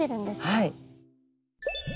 はい。